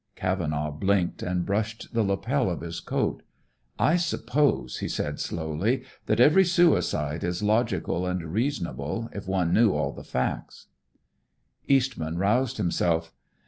Cavenaugh blinked and brushed the lapel of his coat. "I suppose," he said slowly, "that every suicide is logical and reasonable, if one knew all the facts." Eastman roused himself.